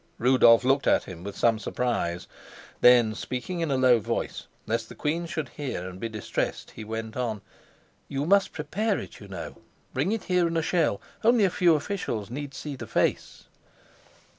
Rudolf looked at him with some surprise. Then speaking in a low voice, lest the queen should hear and be distressed, he went on: "You must prepare it, you know. Bring it here in a shell; only a few officials need see the face."